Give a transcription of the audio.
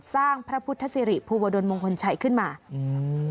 สร้างพระพุทธศิริภูวดลมงคลชัยขึ้นมาอืม